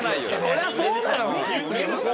そりゃそうだろ。